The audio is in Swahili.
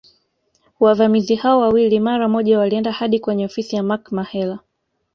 Wavamizi hao wawili mara moja walienda hadi kwenye ofisi ya Mark Mahela